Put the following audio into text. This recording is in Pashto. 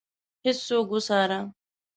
هیڅوک وڅاره.